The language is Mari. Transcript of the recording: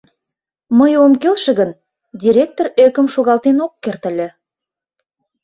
Мый ом келше гын, директор ӧкым шогалтен ок керт ыле.